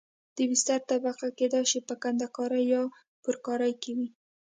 د بستر طبقه کېدای شي په کندنکارۍ یا پرکارۍ کې وي